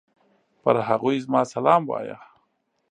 پر هغوی زما سلام وايه!